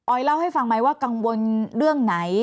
เล่าให้ฟังไหมว่ากังวลเรื่องไหน